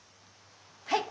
はい。